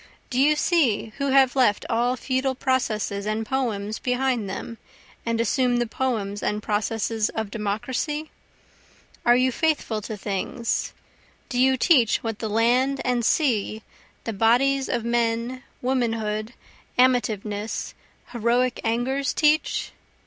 Do you see who have left all feudal processes and poems behind them, and assumed the poems and processes of Democracy? Are you faithful to things? do you teach what the land and sea, the bodies of men, womanhood, amativeness, heroic angers, teach?